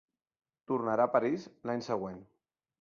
Tornarà a París l'any següent.